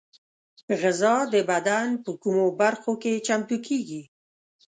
غذا د بدن په کومو برخو کې چمتو کېږي؟